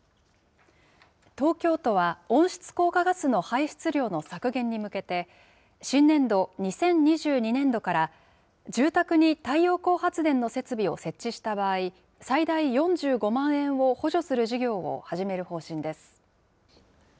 東京都は、温室効果ガスの排出量の削減に向けて、新年度・２０２２年度から、住宅に太陽光発電の設備を設置した場合、最大４５万円を補助する事業を始める方針です。